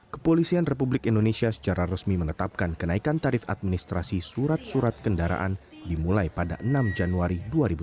kepolisian republik indonesia secara resmi menetapkan kenaikan tarif administrasi surat surat kendaraan dimulai pada enam januari dua ribu dua puluh